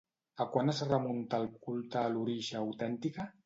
A quan es remunta el culte a l'Orixa autèntica?